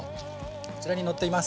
こちらに載っています。